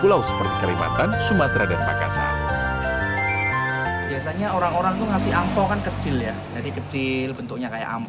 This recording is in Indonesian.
lampion ini menyebabkan penyakit